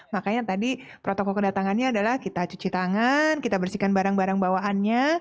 makanya tadi protokol kedatangannya adalah kita cuci tangan kita bersihkan barang barang bawaannya